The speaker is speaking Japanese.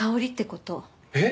えっ！？